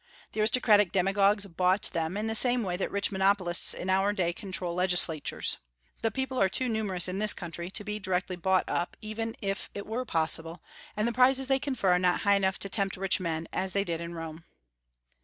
The aristocratic demagogues bought them, in the same way that rich monopolists in our day control legislatures. The people are too numerous in this country to be directly bought up, even if it were possible, and the prizes they confer are not high enough to tempt rich men, as they did in Rome.